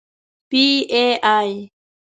پی ای اې.